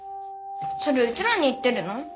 それうちらに言ってるの？